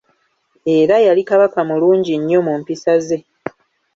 Era yali Kabaka mulungi nnyo mu mpisa ze.